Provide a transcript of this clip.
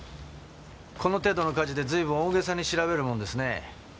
この程度の火事で随分大げさに調べるもんですね。